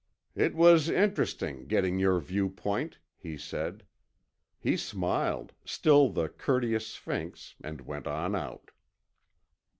"It was interesting, getting your viewpoint," he said. He smiled, still the courteous sphinx, and went on out.